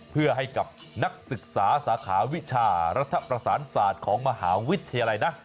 เพื่อให้กับนักศึกษาสาขาวิชารัฐประสานศาสตร์ของมหาวิทยาลัยนะ